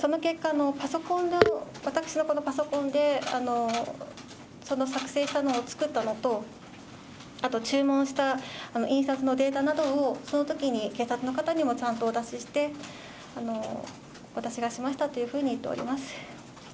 その結果、パソコン、私のこのパソコンで、その作成したのを作ったのと、あと注文した印刷のデータなどを、そのときに警察の方にもちゃんとお出しして、私がしましたというふうに言っております。